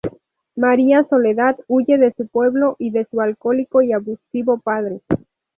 María Soledad huye de su pueblo y de su alcohólico y abusivo padre.